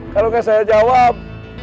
kalau gak saya jawab